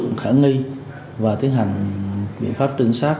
nhưng mà em nghĩ là